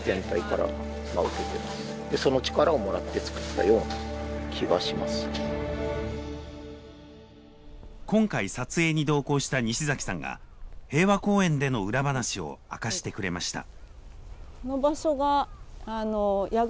それがあったからこそ今回撮影に同行した西さんが平和公園での裏話を明かしてくれました。